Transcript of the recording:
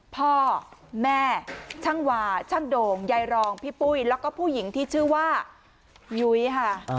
พ่อแม่ช่างวาช่างโด่งยายรองพี่ปุ้ยแล้วก็ผู้หญิงที่ชื่อว่ายุ้ยค่ะ